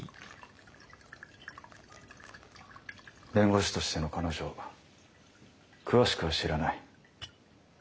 弁護士としての彼女を詳しくは知らない。